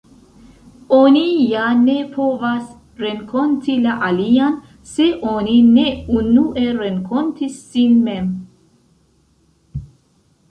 Oni ja ne povas renkonti la alian, se oni ne unue renkontis sin mem.